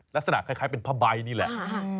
ลักษณะคล้ายเป็นผ้าใบนี่แหละ